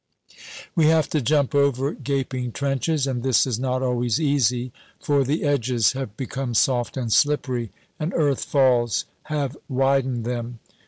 We have to jump over gaping trenches, and this is not always easy, for the edges have become soft and slippery, and earth falls have widened them.